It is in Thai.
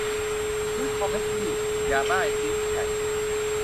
ซื้อคอมให้พี่ อยากได้ ติ๊งแผด